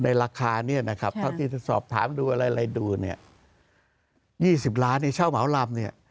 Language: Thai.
ในราคานี้นะครับเท่าที่จะสอบถามดูอะไรอะไรดูเนี่ยยี่สิบล้านเนี่ยเช่าเหมาลำเนี่ย